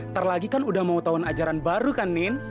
terlagi kan udah mau tahun ajaran baru kan nin